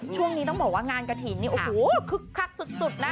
ช่วงนี้ต้องบอกว่างานกระถิ่นนี่โอ้โหคึกคักสุดนะ